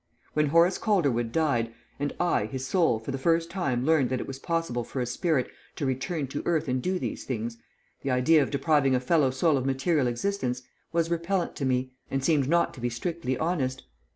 When Horace Calderwood died, and I, his soul, for the first time learned that it was possible for a spirit to return to earth and do these things, the idea of depriving a fellow soul of material existence was repellent to me, and seemed not to be strictly honest.